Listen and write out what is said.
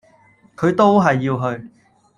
佢係都要去